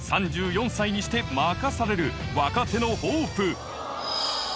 ３４歳にして任される若手のホープ